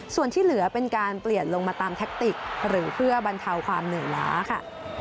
ส่วนที่เหลือเป็นการเปลี่ยนลงมาตามแท็กติกหรือเพื่อบรรเทาความเหนื่อยล้าค่ะ